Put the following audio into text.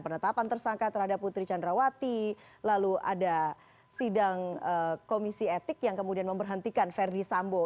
penetapan tersangka terhadap putri candrawati lalu ada sidang komisi etik yang kemudian memberhentikan verdi sambo